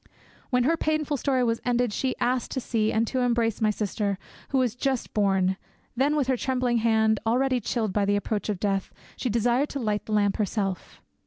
When her painful story was ended she asked to see and to embrace my sister, who was just born; then with her trembling hand, already chilled by the approach of death, she desired to light the lamp herself.